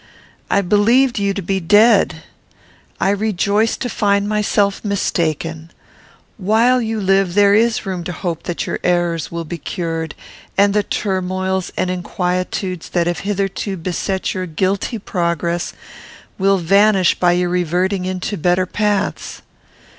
"I believed you to be dead. I rejoice to find myself mistaken. While you live, there is room to hope that your errors will be cured; and the turmoils and inquietudes that have hitherto beset your guilty progress will vanish by your reverting into better paths.